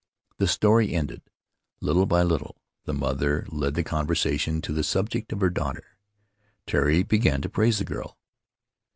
The story ended, little by little the mother led the conversation to the subject of her daughter. Tari began to praise the girl.